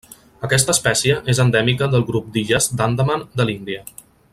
Aquesta espècie és endèmica del grup d'illes d'Andaman de l'Índia.